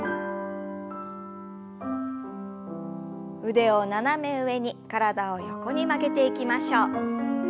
腕を斜め上に体を横に曲げていきましょう。